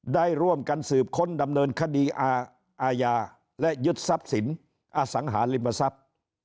ได้ร่วมกันสืบค้นดำเนินคดีอายาและยุทธศัพท์ศิลป์อสังหาริมศัพท์